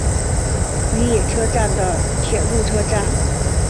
与野车站的铁路车站。